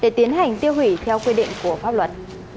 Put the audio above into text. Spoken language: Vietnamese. để tiến hành tiêu hủy theo quy định của pháp luật